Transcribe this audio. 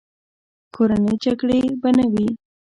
کورنۍ جګړې به نه وې.